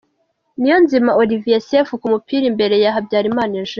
Niyonzima Olivier Sefu ku mupira imbere ya Habyarimana Eugene.